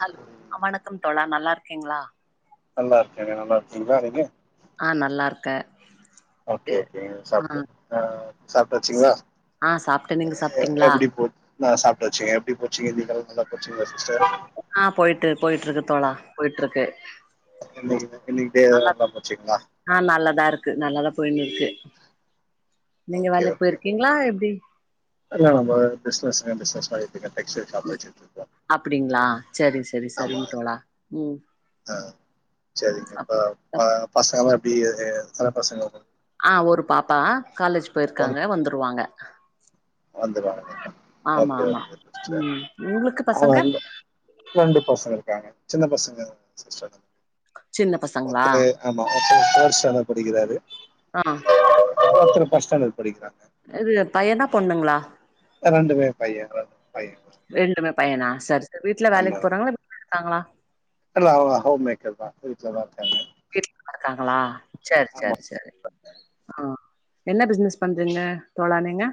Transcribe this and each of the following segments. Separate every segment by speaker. Speaker 1: Hello அ வணக்கம் தோழா நல்லாருக்கீங்ளா
Speaker 2: நல்லாருக்கேங்க நல்லாருக்கேங் வேறங்க
Speaker 1: ஆ நல்லாருக்கே
Speaker 2: ஓகே ஓகே சாப்ட்ட அ சாப்ட்டாச்சுங்ளா
Speaker 1: ஆ சாப்ட்டே நீங்க சாப்ட்டீங்ளா
Speaker 2: நா சாப்ட்டாச்சுங்க எப்டி போச்சுங்க இன்னிக்கெல் நல்லா போச்சுங்களா சிஸ்டர்
Speaker 1: நல்லா போய்ட்டு போய்ட்ருக்கு தோழா போய்ட்ருக்கு
Speaker 2: இன்னைக்கி [inaudible]
Speaker 1: நல்லார்க்கு ஆ நல்லதா இருக்கு நல்லாதா போய்னுருக்கு நீங்க
Speaker 2: ஓகே
Speaker 1: வேலைக்
Speaker 2: ஓகே
Speaker 1: போயிர்க்கீங்ளா எப்டி
Speaker 2: இல்ல நம்ப பிஸ்னஸ்ங்க பிஸ்னஸ் மாரி
Speaker 1: ம் அப்பிடிங்களா செரி செரி
Speaker 2: ஆமா
Speaker 1: செரிங்க தோழா ம்
Speaker 2: ஆ சேரிங்க
Speaker 1: அப்
Speaker 2: இப்ப ப
Speaker 1: அப்
Speaker 2: பசங்கல்லா எப்டி எ ஏ எத்தன பசங்க உங்கள்
Speaker 1: ஆ ஒரு பாப்பா காலேஜ் போய்ருக்காங்க
Speaker 2: ஒர்க்
Speaker 1: வந்துருவாங்க
Speaker 2: வந்துருவாங்க [inaudible]
Speaker 1: ஆமா
Speaker 2: ஓகே
Speaker 1: ஆமா
Speaker 2: ஓகே சிஸ்டர்
Speaker 1: ம் உங்களுக்கு
Speaker 2: அவுங்க
Speaker 1: பசங்க
Speaker 2: அங்க ரெண்டு பசங்க இருக்காங்க சின்ன பசங்க சிஸ்டர்
Speaker 1: சின்ன பசங்களா
Speaker 2: ஒர்த்தரு ஆமா ஒருத்தரு ஃபோர்த் ஸ்டாண்டட் படிக்கிறாரு
Speaker 1: ஆ
Speaker 2: ஒருத்தரு ஃபஸ்ட் ஸ்டாண்டட் படிக்கிறாங்க
Speaker 1: இது பையனா பொண்ணுங்ளா
Speaker 2: ரெண்டுமே பைய பைய
Speaker 1: ரெண்டுமே பையனா சரி சரி வீட்ல
Speaker 2: ஆமா
Speaker 1: வேலைக்கு போறாங்ளா இருக்காங்ளா
Speaker 2: இல்ல அவங்க ஹோம் மேக்கர்தா வீட்லதா இருக்காங்க
Speaker 1: வீட்லதா இருக்காங்ளா சர்
Speaker 2: ஆமா
Speaker 1: சர் சரி ஆ என்ன பிசினஸ் பண்றீங்க தோழா நீங்க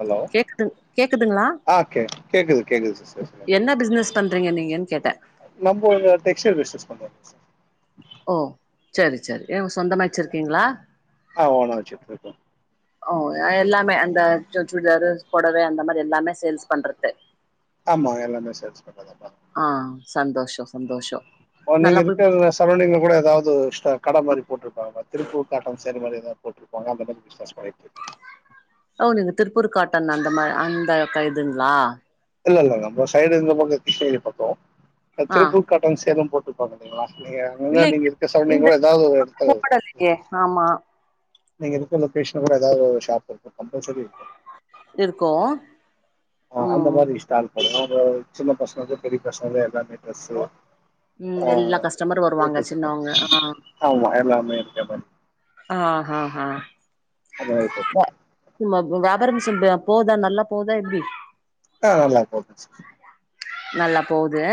Speaker 2: ஹலோ
Speaker 1: கேக்குது கேக்குதுங்களா
Speaker 2: ஆ கே கேக்குது கேக்குது சிஸ்டர் சொல்லுங்க
Speaker 1: என்ன பிசினஸ் பண்றீங்க நீங்க கேட்ட
Speaker 2: நம்ப ஒரு டெக்ஸ்டைல் பிஸ்னஸ் பண்றோ
Speaker 1: ஓ சேரி சேரி எங்க சொந்தமா வெச்சிருக்கீங்ளா
Speaker 2: ஆ ஓனா வெச்சுட்ருக்கோ
Speaker 1: ஓ அ எல்லாமே அந்த சு சுடிதாரு பொடவ அந்த மாரி எல்லாமே சேல்ஸ் பண்றது
Speaker 2: ஆமா எல்லாமே சேல்ஸ் பண்றதாப்பா
Speaker 1: ஆ சந்தோஷோ சந்தோஷோ
Speaker 2: ஓ நீங்க
Speaker 1: நல்லா போய்
Speaker 2: இருக்கற்து சரௌண்டிங்ல கூட எதாவ்து ஒரு ஸ்டா கட மாரி போட்ருப்பாங்க திருப்பூர் காட்டன் சேல் மாரி எதாத் போட்ருப்பாங்க அந்த மாரி பிஸ் னஸ் பண்ணிட்ருக்கே
Speaker 1: ஓ நீங்க திருப்பூர் காட்டன் அந்த மார அந்த க இதுங்ளா
Speaker 2: இல்லல்லங்க நம்ப சைடு இந்த பக்கோ கிருஷ்ணகிரி பக்கோ அ
Speaker 1: ஆ
Speaker 2: திருப்பூர் காட்டன் சேல்னு போட்ருப்பாங்க பாத்தீங்களா நீங்க
Speaker 1: இல்ல
Speaker 2: பொதுவா நீங்க இருக்க சரௌண்டிங்ல
Speaker 1: இந்த
Speaker 2: கூட எதாவ்து ஒரு
Speaker 1: இந்த
Speaker 2: எடத்துல இருக்கு
Speaker 1: போடலையே ஆமா
Speaker 2: நீங்க இருக்க லொக்கேஷன்ல கூட எதாவ்து ஷாப் இருக்கு கம்பல்சரி இருக்கு
Speaker 1: இருக்கு
Speaker 2: ஆ அந்த
Speaker 1: ம்
Speaker 2: மாரி ஸ்டால் கெடையாது சின்ன பசங்க பெரிய பசங்க எல்லாமே பிளஸ்சு
Speaker 1: ம் எல்லா கஸ்டமரு வருவாங்க சின்னவங்க ஆ
Speaker 2: ஆமா எல்லாமே இருக்கத ன்
Speaker 1: ஆ ஹா ஹா
Speaker 2: அந்த மாரி போட்ருக்கோ
Speaker 1: த வியாபார மிஷன்போதா நல்லா போதா எப்டி
Speaker 2: ஆ நல்லா போது
Speaker 1: நல்லா போது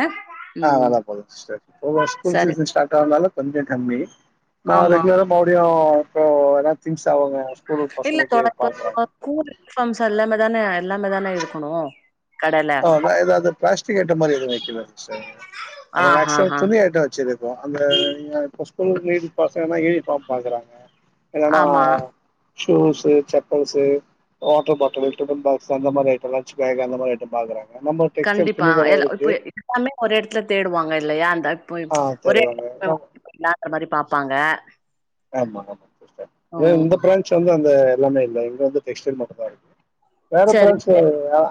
Speaker 2: ஆ நல்லா போதுங் சிஸ்டர் இல்ல ஸ்கூல் சீசன் ஸ்டார்ட் ஆனதால கொஞ்சோ கம்மி நா
Speaker 1: ஆமா
Speaker 2: ரெகுலரா மறுபடியு இப்போ எதுனா திங்ஸ் அவுங்க
Speaker 1: இல்ல தோழா ஸ்கூல் யூனிஃபார்ம்ஸ் எல்லாமே தான எல்லாமே தான இருக்கணு கடைல
Speaker 2: ஆ எதாவது பிளாஸ்டிக் ஐட்ட மாதிரி எதுவு வைக்கல
Speaker 1: ஆ
Speaker 2: சிஸ்டர்
Speaker 1: ஹா
Speaker 2: மேக்சிமம்
Speaker 1: ஹா
Speaker 2: துணி ஐட்ட வச்சிர்றது இப்ப அந்த ஸ்கூல் நீட் பசங்கனா யூனிஃபார்ம் பாக்குறாங்க இல்லனா
Speaker 1: ஆமா
Speaker 2: shoes chappals water bottle tiffin box அந்த மாரி ஐட்டம்லா லஞ்ச் பேக் அந்த மாரி பாக்குறாங்க நம்ம டெக்ஸ்டைல்
Speaker 1: கண்டிப்பா
Speaker 2: துணி கட
Speaker 1: எல்லா
Speaker 2: இருக்கு
Speaker 1: இப்ப எல்லாமே ஒரு இடத்துல தேடுவாங்க இல்லையா அந்த இப்ப
Speaker 2: ஆ தேடுவாங்க எல்லாமே
Speaker 1: இல்லாதமாரி பாப்பாங்க
Speaker 2: ஆமா ஆமா சிஸ்டர்
Speaker 1: ம்
Speaker 2: இந்த பிரான்ச் வந்து அந்த எல்லாமே இல்ல இங்க வந்து டெக்ஸ்டைல் மட்டுதா இருக்கு வேற
Speaker 1: சரி
Speaker 2: பிரான்ச்சு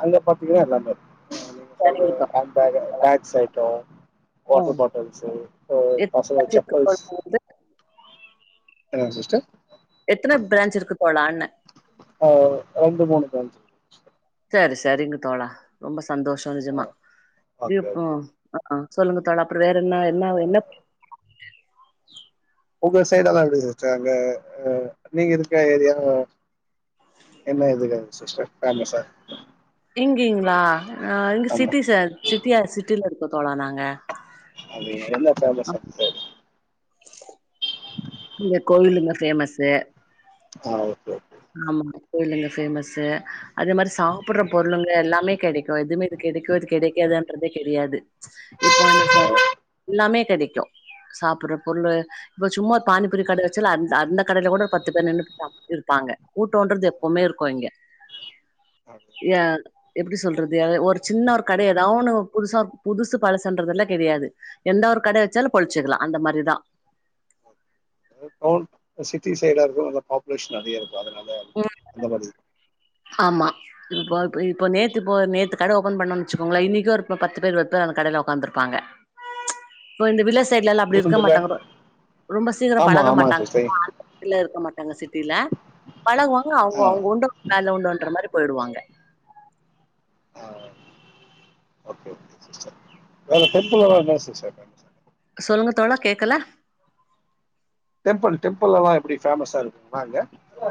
Speaker 2: அங்க பாத்தீங்கனா எல்லாமே இருக்கு சொல்ற
Speaker 1: சரிங்க தோழா
Speaker 2: ஹேண்ட் பேக் பேக்ஸ் ஐட்ட
Speaker 1: ம்
Speaker 2: வாட்டர் பாட்டல்ஸ் சோ
Speaker 1: எத்தன
Speaker 2: பசங்க
Speaker 1: பிரான்ச் இருக்கு
Speaker 2: செப்பல்ஸ்
Speaker 1: தோழா
Speaker 2: என்னங்க சிஸ்டர்
Speaker 1: எத்தன பிரான்ச் இருக்கு தோழான்ன
Speaker 2: ரெண்டு மூணு பிரான்ச்
Speaker 1: சரி சரிங்க தோழா ரொம்ப சந்தோஷொ
Speaker 2: ஆ
Speaker 1: நெஜமா
Speaker 2: ஓகே
Speaker 1: இப்
Speaker 2: ஓகே
Speaker 1: அ சொல்லுங்க தோழா அப்ரோ வேற என்ன என்ன என்ன
Speaker 2: ஒங்க சைடாதா இருக்கு சிஸ்டர் அங்க அ நீங்க இருக்க ஏரியா என்ன எதுக்குது சிஸ்டர் பேமஸா
Speaker 1: இங்கீங்களா அ இங்க
Speaker 2: ஆமா
Speaker 1: சிட்டிஸ்ச சிட்டியா சிட்டில இருக்கோ தோழா நாங்க
Speaker 2: அது என்ன பேமஸ் அங்குட்டு
Speaker 1: இங்க கோவிலுங்க பேமஸ்சு
Speaker 2: ஆ ஓகே
Speaker 1: ஆமா கோயிலுங்க பேமஸ்ஸு அது மாதிரி சாப்டுற பொருளுங்க எல்லாமே கெடைக்கு எதுமே இது கெடைக்கு கெடைக்காதுன்றதே கெடையாது இப்போ இந்த ச எல்லாமே கெடைக்கு சாப்புட்ற பொருளு இப்ப சும்மா ஒரு பானிபூரி கடை வச்சாலே அந்த அந்த கடைல கூட ஒரு பத்து பேர் நின்னு சாப்ட்டுருப்பாங்க கூட்டோன்றது எப்பமே இருக்கு இங்க
Speaker 2: ஆ
Speaker 1: ஏ இப் எப்டி சொல்றது ஒரு சின்ன ஒரு கடை ஏதாவ ஒன்னு புதுசா புதுசு பழசுன்றதல்லா கெடையாது எந்த ஒரு கடை வச்சாலு பொழச்சுக்கலா அந்த மாரிதா
Speaker 2: டவுன் சிட்டி சைடா இருக்கு நல்லா பாப்புலேஷன் நெறய இருக்கு அதனால அந்த மாரி
Speaker 1: ஆமா இப்ப இப்போ நேத்து நேத்து கடை ஓப்பன் பண்ணோன் வச்சுக்கோங்களே இன்னைக்கு ஒரு பத்து பேரு இருவது பேர் அந்த கடைல ஒக்காந்துருப்பாங்க இப்போ இந்த வில்லேஜ் சைட்லல்லா அப்டி இருக்க
Speaker 2: இருக்குதுல்ல
Speaker 1: மாட்டாங்கறோ ரொம்ப சீக்கிர
Speaker 2: ஆமா
Speaker 1: பழக
Speaker 2: ஆமா
Speaker 1: மாட்டாங்க
Speaker 2: சிஸ்டர்
Speaker 1: வீட்ல இருக்க மாட்டாங்க சிட்டில பழகுவாங்க அவங்க
Speaker 2: ஆ
Speaker 1: அவங்க உண்டு வேல உண்டுன்ற மாரி போயிடுவாங்க
Speaker 2: ஆ ஓகே ஓகே சிஸ்டர் ஒங்க ப்ரெண்ட்டெல்லா என்ன [inaudible]
Speaker 1: சொல்லுங்க தோழா கேக்கல
Speaker 2: டெம்புள் டெம்புள்லல்லா எப்டி ஃபேமஸா இருக்குமா அங்க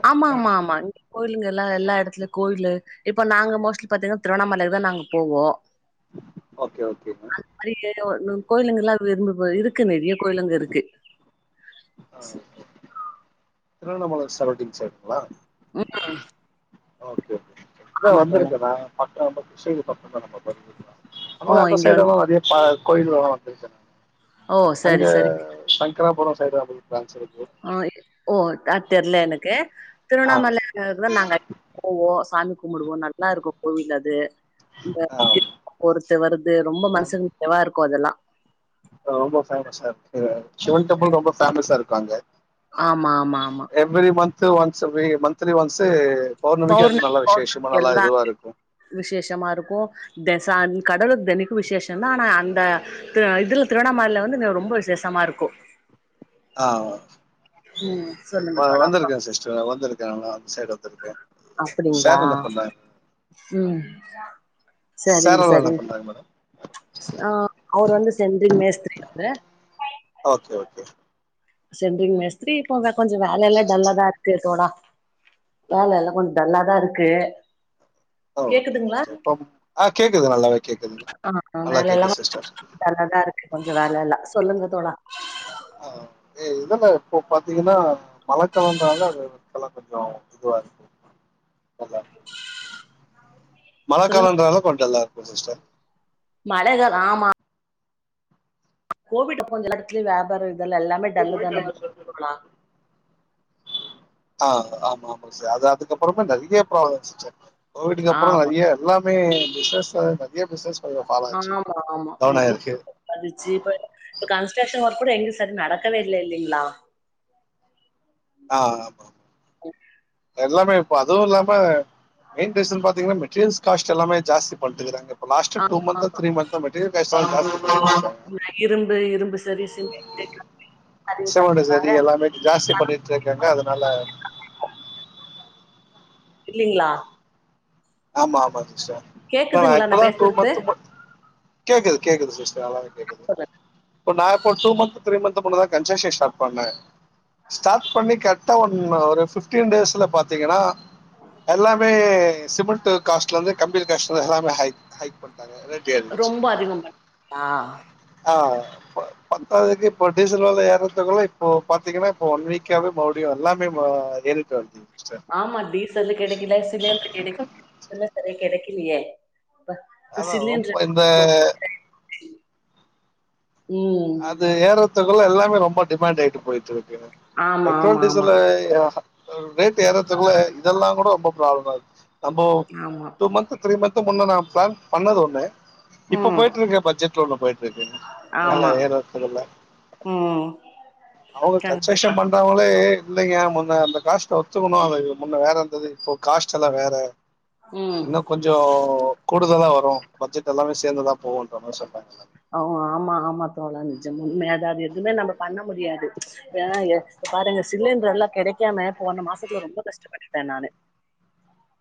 Speaker 1: ஆமா ஆமா ஆமா இங்க கோயிலுங்க எல்லா எல்லா எடத்துலயு கோயிலு இப்போ நாங்க மோஸ்ட்லி பாத்தீங்கன்னா திருவண்ணாமலகே தா நாங்க போவோ
Speaker 2: ஓகே ஓகே மேம்
Speaker 1: அது மாரி கோயிலுங்க எல்லா விரும்ப இருக்கு நெறைய கோயிலுங்க இருக்கு
Speaker 2: அ ஓகே திருவண்ணாமல சரவுண்டுங் சைடுங்களா
Speaker 1: ம்
Speaker 2: ஓகே ஓகே நா
Speaker 1: தோழா
Speaker 2: வந்திருக்கே நா பக்கோ [unintelligible] பக்கோ தா நம்ம பண்ணிக்கலா
Speaker 1: ஓ
Speaker 2: ந அந்த
Speaker 1: இங்க வந்து
Speaker 2: சைடுல்லாம் நெறைய கோயில்கள்ல்லா வந்துருக்கே
Speaker 1: ஓ சரி
Speaker 2: அங்கே
Speaker 1: சரி
Speaker 2: அக்ராபுரோ சைடு [unintelligible] ப்ராஞ்ச் இருக்கு
Speaker 1: ஆ ஓ அதா தெர்ல எனக்கு
Speaker 2: ஆ
Speaker 1: திருவண்ணாமல அதுக்குதா நாங்க அடிக்கடி போவோ சாமி கும்பிடுவோ நல்லா இருக்கு கோவில் அது [inaudible]
Speaker 2: ஆ
Speaker 1: வருது ரொம்ப மனசுக்கு நிறைவா இருக்கு அதெல்லா
Speaker 2: ரொம்ப ஃபேமஸ் சிவன் டெம்பிள் ரொம்ப ஃபேமஸா இருக்கு அங்க
Speaker 1: ஆமா ஆமா ஆமா
Speaker 2: எவ்ரி மந்த்ஸ் ஒன்ஸ் வே மந்த்லி ஒன்ஸ்ஸு பௌர்ணமிக்கு அதுக்கு
Speaker 1: பௌர்ணமி
Speaker 2: நல்லா விசேஷமா
Speaker 1: பௌர்ணமிக்கு
Speaker 2: நல்லா
Speaker 1: எல்லா
Speaker 2: இதுவா இருக்கும்
Speaker 1: விசேஷமா இருக்கு இந்த சாமி கடவுளுக்கு தெனிக்கு விசேஷந்தா ஆனா அந்த த்து இதுல திருவண்ணாமல்ல வந்து ரொம்ப விசேஷமா இருக்கு
Speaker 2: ஆ
Speaker 1: ம் சொல்லுங்க
Speaker 2: வ
Speaker 1: தோழா அப்றோ
Speaker 2: வந்திருக்கே சிஸ்டர் வந்திருக்கே நால அந்த சைடு வந்துருக்கே
Speaker 1: அப்பிடிங்களா ம்
Speaker 2: சார்
Speaker 1: சரிங்க
Speaker 2: எல்லா என்ன
Speaker 1: சரிங்க
Speaker 2: பண்றாங்க மேடம்
Speaker 1: ஆ அவரு வந்து சென்ட்ரிங் மேஸ்திரி அவரு
Speaker 2: ஓகே ஓகே
Speaker 1: சென்ட்ரிங் மேஸ்திரி இப்ப வெ கொஞ்சொ வேலைல்லா டல்லாதா இருக்கு தோழா வேல எல்லா கொஞ்சொ டல்லாதா இருக்கு
Speaker 2: ஆ ஓகே
Speaker 1: கேக்குதுங்களா
Speaker 2: சிஸ்டர் இப்ப ஆ கேக்குது நல்லாவே கேக்குது நல்லா கேக்குது சிஸ்டர்
Speaker 1: டல்லாதா இருக்கு கொஞ்சொ வேலல்லா சொல்லுங்க தோழா
Speaker 2: அ எ இதுல இப்ப பாத்தீங்கன்னா மழக்காலொன்னால அது இப்பலா கொஞ்சோ இதுவா இருக்கு
Speaker 1: மே
Speaker 2: மழ காலொன்றால கொஞ் டல்லா இருக்கு சிஸ்டர்
Speaker 1: மழ கால் ஆமா கோவிட் அப்போ வந்து எல்லா எடத்துலயு வியாபார இதுலல்லா
Speaker 2: து போயிட்டாங்க [unintelligible] ஆ ஆமாமா ச அது அதுக்கப்புறமா நெறைய ப்ராள வந்துச்சுச்ச கோவிட்டுக்கு அப்பரோ
Speaker 1: ஆமா
Speaker 2: நெறைய எல்லாமே பிஸ்னஸ் வு நெறையே பிஸ்னஸ் ஃபாலாச்சு டவுன் ஆயிர்க்கு
Speaker 1: பதிச்சு இப்ப இப்ப கன்ஸ்ட்ரக்ஷன் ஒர்க் கூட எங்கு சரி நடக்கவே இல்லைங்களா
Speaker 2: ஆ ஆமா எல்லாமே இப்போ அதுவு இல்லாம மெயின் ரீசன் பாத்தீங்கன்னா மெட்டீரியல்ஸ் காஸ்ட் எல்லாமே ஜாஸ்தி பண்ணிட்டுருக்காங்க இப்ப லாஸ்ட்டா டூ
Speaker 1: ஆமா
Speaker 2: மந்தா த்ரீ மந்தா மெட்டீரியல் காஸ்ட் லா ஜாஸ்தி பன்னிருக்காங்க
Speaker 1: இரும்பு இரும்பு சர்வீஸ் [inaudible]
Speaker 2: சிமுண்ட்டு ஜல்லி எல்லாமே ஜாஸ்தி பண்ணிட்டு இருக்காங்க அதனால
Speaker 1: இல்லிங்ளா
Speaker 2: ஆமா ஆமா சிஸ்டர் ஆனா‌
Speaker 1: கேக்குதுங்களா நா
Speaker 2: இப்பதா டூ
Speaker 1: பேசுறது
Speaker 2: மந்து மு கேக்குது கேக்குது சிஸ்டர் நல்லாவே கேக்குது இ நா இப்போ டூ மந்த்நு த்ரீ மந்த்து முன்னதா கன்ஸக்க்ஷ ஸ்டாட் பண்ணே ஸ்டார்ட் பண்ணி கர்ட்டா ஒன்னு ஒரு ஃபிஃப்டீன் டேஸ்ல பாத்தீங்கனா எல்லாமே சிமெண்ட்டு காஸ்ட்லெந்து கம்பிக காஸ்ட்லந்து எல்லாமே ஹை ஹை பண்ட்டாங்க இல்லாட்டி எ
Speaker 1: ரொம்ப அதிகம் பண்ட்டாங்களா
Speaker 2: ஆ ப பத்தாததுக்கு இப்பொ டீசல் வெல ஏர்றத்துக்குள்ள இப்போ பாத்தீங்கனா இப்பொ ஒன் வீக்காவே மறுப்டியு எல்லா மே மா ஏறிட்தா இருக்கு சிஸ்டர்
Speaker 1: ஆமா டீசலு கெடக்கில சிலிண்ட்ரு கெடக்கில [inaudible] சரியா கெடக்கிலியே
Speaker 2: அதா ரொம்ப இந்த
Speaker 1: ரொம்ப ம்
Speaker 2: அது ஏர்றத்துக்குள்ள எல்லாமே ரொம்ப டிமாண்ட் ஆயிட்டு போயிட்ருக்குங்க
Speaker 1: ஆமா
Speaker 2: பெட்ரோல்
Speaker 1: ஆமா
Speaker 2: டீசல ஆஹா ரேட்டு ஏறத்துக்குள்ள இதெல்லா கூட ரொம்ப ப்ராப்ளம் ஆயிட்ச்சு நம்மோ
Speaker 1: ஆமா ஆமா
Speaker 2: டூ மந்த்து த்ரீ மந்த்து முன்ன நா பிளான் பண்ணது ஒன்னு இப்ப
Speaker 1: ம்
Speaker 2: போயிட்ருக்க பட்ஜெட்ல ஒன்னு போயிட்ருக்கு
Speaker 1: ஆமா
Speaker 2: பிரச்சனல்ல
Speaker 1: ம்
Speaker 2: அவுங்க
Speaker 1: கண்டிப்பா
Speaker 2: கன்ஷெஷன் பண் ணவுங்ளே இல்லெங்க முன்ன அந்த காஸ்ட்ட ஒத்துக்கனு அது முன்ன வேற இந்தது இப்போ காஸ்ட்டெல்லா வேற
Speaker 1: ம்
Speaker 2: கொஞ்சோ கூடுதலா வரு பட்ஜெட் எல்லாமே சேந்துதா போவுன்ற மார் சொன்னாங்க
Speaker 1: அவு ஆமா ஆமா தோழா நிஜம் உண்மையா தா அது எதுமே நம்ப பண்ண முடியாது இதல்லா ஏ பாருங்க சிலிண்ட்ரெல்லா கெடைக்காம போன மாசத்துல ரொம்ப கஷ்டப்பட்டுட்டே நானு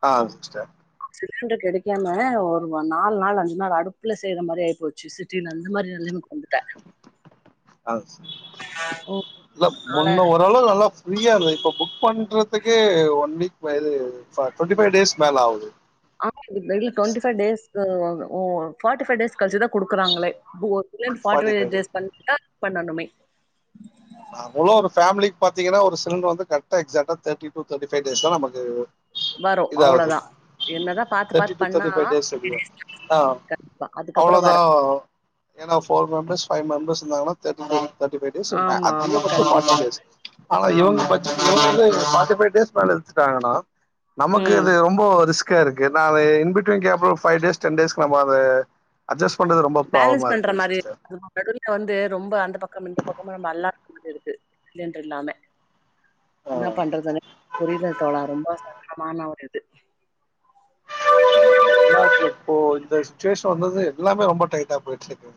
Speaker 2: ஆ சிஸ்டர்
Speaker 1: சிலிண்ட்ரு கெடைக்காம ஒரு வ நாலு நாள் அஞ்சு நாள் அடுப்புல செய்ற மாரி ஆயி போச்சு சி டின்னு அந்த மாரி நெலமக்கி வந்துட்ட
Speaker 2: ஆ செ
Speaker 1: ஓ
Speaker 2: இல்ல முன்ன ஓரளவு நல்லா ஃப்ரீயா இருந்தெ இப்ப புக் பண்றதுக்கு ஒன் வீக் இது டுவெண்ட்டி பைவ் டேஸ்க் மேல ஆவுது
Speaker 1: ஆமா இங்க டுவெண்டி பைவ் டேஸ்க்கு ஓ பாட்டி பைவ் டேஸ் கழுச்சுதா குடுக்குறங்களே [unintelligible] லேர்ன் பாட்டி
Speaker 2: ஃபார்ட்டி
Speaker 1: ஃபை
Speaker 2: ஃபைவ்
Speaker 1: டேஸ் பண்ணி தான் பண்ணனுமே
Speaker 2: மா அவ்ளோ ஒரு ஃபேமிலிக் பாத்தீங்கன்னா ஒரு சிலிண்டரு வந்து கரெக்ட்டா எக்ஸெக்டா தேட்டி டூ தோட்டி ஃபைவ் டேஸ் தா நமக்கு
Speaker 1: வரு அவ்ளதா
Speaker 2: தேட்டி டூ தோட்டி ஃபைவ் டேஸ்ஸுக்கு ஆ
Speaker 1: அதுக்கப்புறோ வர
Speaker 2: அவ்ளோதா ஏன்னா ஃபோர் மெம்பர்ஸ் ஃபைவ் மெம்பர்ஸ் இருந்தாங்கன்னா தேட்டி டூ தோட்டி ஃபை டேஸ் அ
Speaker 1: ஆமா
Speaker 2: அத் இங்க
Speaker 1: ஆமா
Speaker 2: மட்டு ஃபாட்டி
Speaker 1: கண்டிப்பா
Speaker 2: டேஸ் ஆனா இவுங்க
Speaker 1: ஆமா
Speaker 2: பாத் இவ்வுகளுது ஃபாட்டி ஃபை டேஸ் மேல வெச்சுட்டாங்கன்னா நமக்கு
Speaker 1: ம்
Speaker 2: அது ரொம்போ ரிஸ்க் கா இருக்கு நா இன் பிட்வீன் கேப்புல அப்புறோ ஒரு ஃபைவ் டேஸ் டென் டேஸ்க்கு நம்மோ அது அட்ஜஸ் பண்றது ரொம்ப
Speaker 1: பேலன்ஸ்
Speaker 2: புராபுளமா
Speaker 1: பண்ற
Speaker 2: இருக்குது
Speaker 1: மாரி
Speaker 2: சிஸ்டர்
Speaker 1: நடுவுல வந்து ரொம்ப அந்த பக்கம் இந்த பக்கமு நம்ம அல்லா [inaudible] இருக்கு சிலிண்டரு இல்லாம
Speaker 2: ஆ
Speaker 1: என்ன பண்றதுனே புரில தோழா ரொம்ப சங்கட்டமான ஒரு இது
Speaker 2: எல்லாருக்கு இப்போ இந்த சுச்சிவேஷன் வந்தது எல்லாமே ரொம்ப டைட்டா போயிட்ருக்கு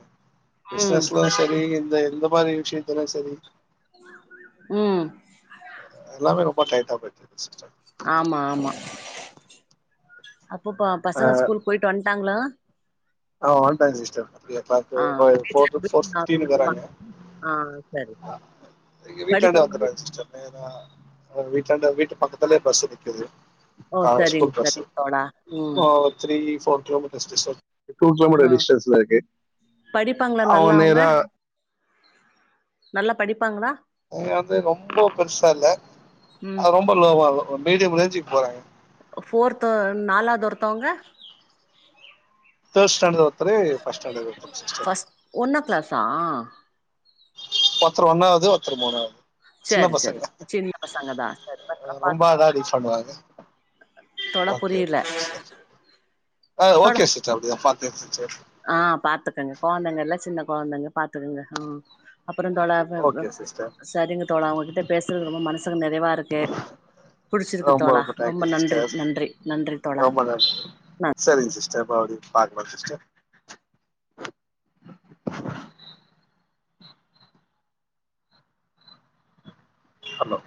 Speaker 1: ம்
Speaker 2: பிஸ்னஸ்லயு செ ரி‌ இந்த இந்த மாரி விஷயத்துல செரி
Speaker 1: ம்
Speaker 2: எல்லாமே ரொம்ப டைட்டா போயிட்ருக்கு சிஸ்டர்
Speaker 1: ஆமா ஆமா அப்பப்பா
Speaker 2: ஆ
Speaker 1: பசங்க ஸ்கூல் போயிட்டு வந்டாங்ளா?
Speaker 2: ஆ வந்ட்டாங்க சிஸ்டர்
Speaker 1: ஆ
Speaker 2: [unintelligible]
Speaker 1: வீட்ல
Speaker 2: ஃபோர்
Speaker 1: வீட்ல
Speaker 2: ஃபோர் ஃபிஃப்டீனுக்கு வராங்க
Speaker 1: பாத்துப்பாங்க. ஆ சரி சரி
Speaker 2: எங்க வீட்டாண்ட
Speaker 1: படிப்பெல்லா
Speaker 2: வந்துராங்க சிஸ்டர் நேரா அ வீட்டாண்ட வீட்டு பக்கத்துலே பஸ்ஸு நிக்குது
Speaker 1: ஓ
Speaker 2: கா
Speaker 1: சேரிங்
Speaker 2: ஸ்கூல் பஸ்
Speaker 1: சேரிங் தோழா ம்
Speaker 2: three four kilometres distance இப்போ டூ கிலோ மீட்டர்
Speaker 1: ஆ
Speaker 2: டிஸ்டன்ஸ்ல இருக்கு
Speaker 1: படிப்பாங்களா
Speaker 2: அவ
Speaker 1: நல்லா அவங்க
Speaker 2: நேரா
Speaker 1: நல்லா படிப்பாங்களா
Speaker 2: அவுங்க வந்து ரொம்போ பெருசா இல்ல
Speaker 1: ம்
Speaker 2: அது ரொம்ப லோவா இல்ல மீடியம் ரேஞ்சுக் போறாங்க
Speaker 1: அ ஃபோர்த் தோ நாலாவது ஒருத்தவங்க
Speaker 2: தோடு ஸ்டேண்டடு ஒருத்தரு ஃபஸ்ட் ஸ்டேண்டடு ஒருத்தரு சிஸ்டர்
Speaker 1: ஃபஸ்ட் ஒன்னா கிளாஸா
Speaker 2: ஒருத்தரு ஒன்னாவது ஒருத்தரு மூணாவது சின்ன
Speaker 1: சரி சரி
Speaker 2: பசங்க
Speaker 1: சின்ன பசங்க தா சரி பத்திரமா
Speaker 2: ரொம்ப
Speaker 1: பாத்துக்கோங்க
Speaker 2: அதாவது ரீச் பண்ணுவாங்க
Speaker 1: தோழா
Speaker 2: ஓகே
Speaker 1: புரியல
Speaker 2: ஒகே சிஸ்டர் ஆ
Speaker 1: தோழா
Speaker 2: ஒகே சிஸ்டர் அப்டிதா பாதே சிஸ்டர்ஸ்
Speaker 1: ஆ பாத்துக்கங்க கொழந்தைங்கள்ல சின்ன கொழந்தைங்க பாத்துக்கங்க ஆ அப்புறந் தோழா
Speaker 2: ஓகே சிஸ்டர்
Speaker 1: செரிங்க தோழா உங்ககிட்ட பேசுறது ரொம்ப மனசுக்கு நெறைவா இருக்கு புடுச்சுருக்கு
Speaker 2: ரொம்ப
Speaker 1: தோழா ரொம்ப
Speaker 2: தேங்க்யூ
Speaker 1: நன்றி
Speaker 2: சிஸ்டர்
Speaker 1: நன்றி நன்றி தோழா
Speaker 2: ரொம்ப நன் சேரிங் சிஸ்டர் போ டி பாக்கும் போது சிஸ்டர் ஹலோ